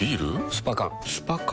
スパ缶スパ缶？